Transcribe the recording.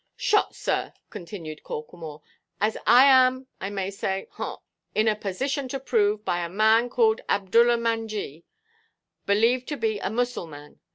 "Shot, sir," continued Corklemore, "as I am, I may say—haw,—in a position to prove, by a man called Abdoollah Manjee, believed to be a Mussulman.